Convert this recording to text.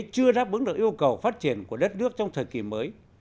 chưa đáp ứng được yêu cầu phát triển của đất nước trong thời kỳ mới